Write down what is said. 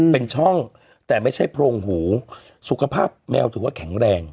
เป็นช่องแต่ไม่ใช่โพรงหูสุขภาพแมวถือว่าแข็งแรง